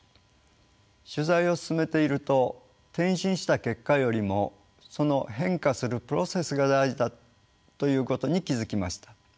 取材を進めていると転身した結果よりもその変化するプロセスが大事だということに気付きました。